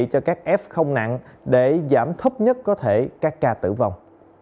cho các f không nặng để giảm thấp nhất có thể các ca tử vong